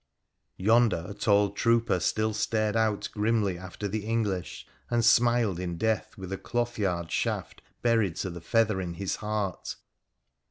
Yonder a tall trooper still stared out grimly after the English, and smiled in death with a clothyard shaft buried to the feather in his heart.